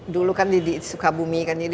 dulu kan di sukabumi kan